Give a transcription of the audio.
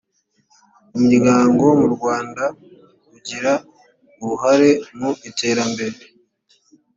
umuryango mu rwanda ugira uruhare mu iterambere